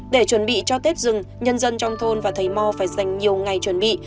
để chuẩn bị cho tết dừng nhân dân trong thôn và thầy mò phải dành nhiều ngày chuẩn bị